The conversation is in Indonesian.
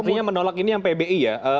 artinya menolak ini yang pbi ya